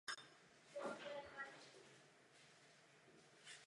Jedním z nich je také Blagojevgrad, oblast, z které pocházím.